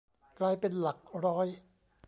กลายเป็นหลักร้อย